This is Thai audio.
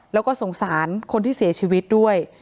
แล้วก็สงสารคนที่เสียชีวิตด้วย